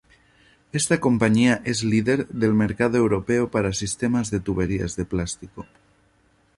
Esta compañía es líder del mercado europeo para los sistemas de tuberías de plástico.